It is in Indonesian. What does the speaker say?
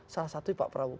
salah satu pak prabowo